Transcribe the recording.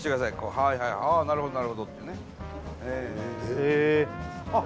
はいはいああなるほどなるほどってねええあっ